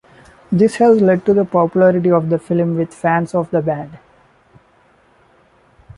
This has led to the popularity of the film with fans of the band.